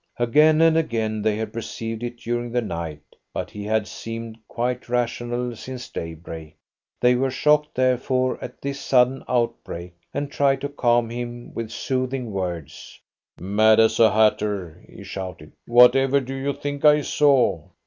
Again and again they had perceived it during the night, but he had seemed quite rational since daybreak. They were shocked therefore at this sudden outbreak, and tried to calm him with soothing words. "Mad as a hatter," he shouted. "Whatever do you think I saw?"